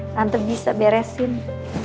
tante bisa beresin